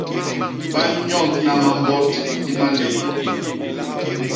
Ba nyohna mambot i malép.